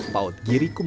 paut giri kumara